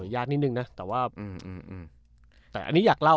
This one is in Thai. ยากนิดนึงนะแต่ว่าแต่อันนี้อยากเล่า